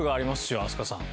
飛鳥さん。